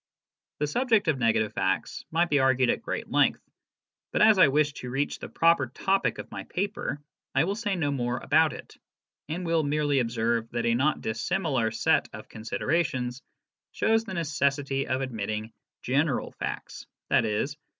The subject of negative facts might be argued at great length, but as I wish to reach the proper topic of my paper, I will say no more about it, and will merely observe that a not dissimilar set of considerations shows the necessity of admitting general facts, i.e.